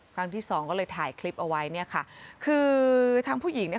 ครั้งที่สองก็เลยถ่ายคลิปเอาไว้เนี่ยค่ะคือทางผู้หญิงเนี่ย